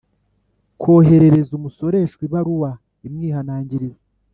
koherereza umusoreshwa ibaruwa imwihanangiriza